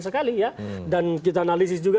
sekali ya dan kita analisis juga